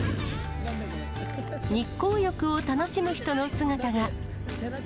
日光浴を楽しむ人の姿が。